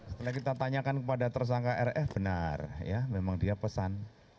setelah kita tanyakan kepada tersangka rf benar ya memang dia pesan